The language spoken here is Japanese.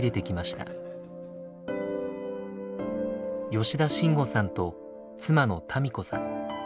吉田晋悟さんと妻の多美子さん。